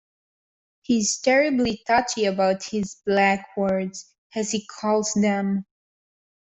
He's terribly touchy about his black wards, as he calls them.